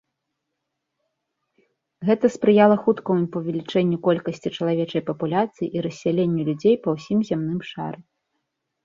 Гэта спрыяла хуткаму павелічэнню колькасці чалавечай папуляцыі і рассяленню людзей па ўсім зямным шары.